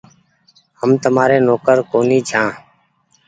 هم تمآري نوڪر ڪونيٚ ڇآن